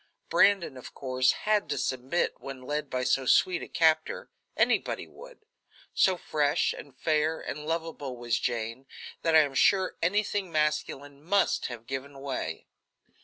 Brandon, of course, had to submit when led by so sweet a captor anybody would. So fresh, and fair, and lovable was Jane, that I am sure anything masculine must have given way.